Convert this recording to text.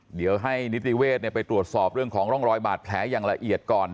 เดี๋ยวให้นิติเวศไปตรวจสอบเรื่องของร่องรอยบาดแผลอย่างละเอียดก่อน